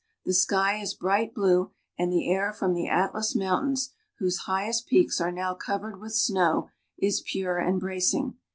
The sky is bright blue, and the K^air from the Atlas Mountains, whose highest peaks are (iJBow covered with snow, is pure and bracing.